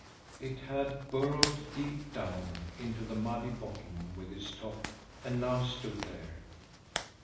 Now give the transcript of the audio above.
It had burrowed deep down into the muddy bottom with its top and now stood there.